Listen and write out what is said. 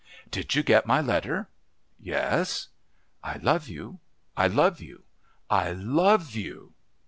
"Did you get my letter?" "Yes." "I love you, I love you, I love you."